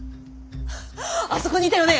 あそこにいたよね！